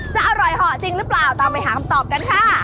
จะอร่อยเหาะจริงหรือเปล่าตามไปหาคำตอบกันค่ะ